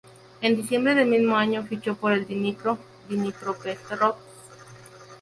En diciembre del mismo año fichó por el Dnipro Dnipropetrovsk.